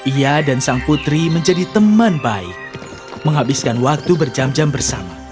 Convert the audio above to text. ia dan sang putri menjadi teman baik menghabiskan waktu berjam jam bersama